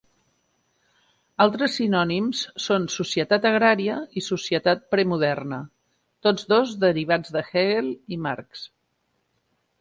Altres sinònims són societat agrària i societat premoderna, tots dos derivats de Hegel i Marx.